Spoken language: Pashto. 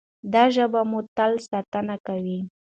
دا ژبه به مو تل ساتنه کوي.